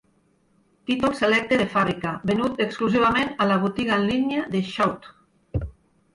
Títol selecte de fàbrica, venut exclusivament a la botiga en línia de Shout.